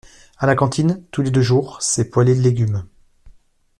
À la cantine, tous les deux jours c'est poêlée de légumes.